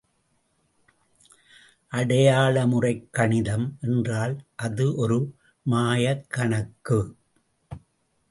அடையாளமுறைக் கணிதம் என்றால் அது ஒரு மாயக் கணக்கு.